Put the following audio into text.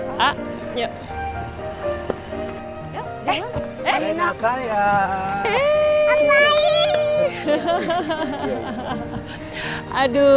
pada saatnya siap saja kamu